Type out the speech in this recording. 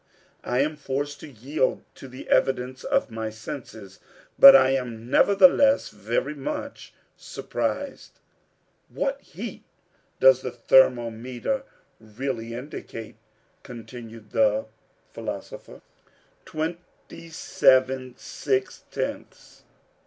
"I am forced to yield to the evidence of my senses, but I am nevertheless very much surprised." "What heat does the thermometer really indicate?" continued the philosopher. "Twenty seven six tenths."